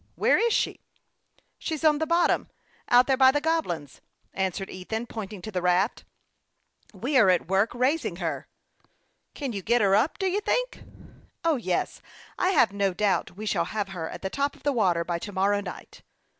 Where is she ?" 120 HASTE AXD AVASTE, OR " She's on the bottom, out there by the Goblins," answered Ethan, pointing to the raft. " We are at work raising her." " Can you get her up, do you think ?"" Yes ; I have no doubt we shall have her at the top of the water by to morrow night."